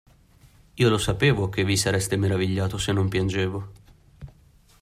Io lo sapevo, che vi sareste meravigliato se non piangevo.